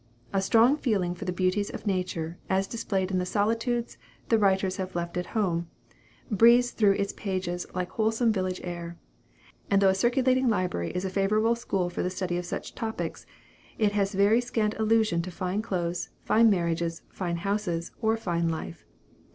A strong feeling for the beauties of nature, as displayed in the solitudes the writers have left at home, breathes through its pages like wholesome village air; and though a circulating library is a favorable school for the study of such topics, it has very scant allusion to fine clothes, fine marriages, fine houses, or fine life.